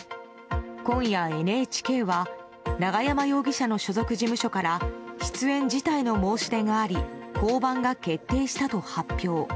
今夜、ＮＨＫは永山容疑者の所属事務所から出演辞退の申し出があり降板が決定したと発表。